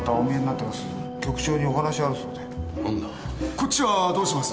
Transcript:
こっちはどうします？